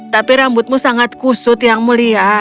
tapi rambutmu sangat kusut yang mulia